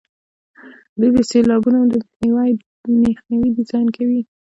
دوی د سیلابونو د مخنیوي ډیزاین کوي.